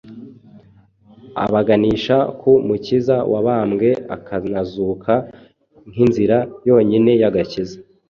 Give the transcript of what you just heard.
abaganisha ku Mukiza wabambwe akanazuka nk’inzira yonyine y’agakiza,